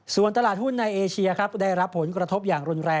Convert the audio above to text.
ส่วนตลาดหุ้นในเอเชียครับได้รับผลกระทบอย่างรุนแรง